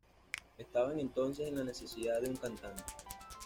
Estaban entonces en la necesidad de un cantante.